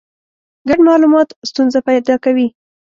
ګډ مالومات ستونزه پیدا کوي.